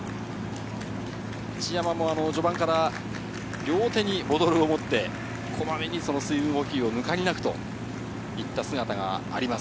一山も序盤から両手にボトルを持って、こまめに水分補給を抜かりなくといった姿があります。